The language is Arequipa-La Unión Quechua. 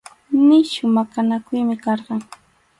Nisyu maqanakuymi karqan.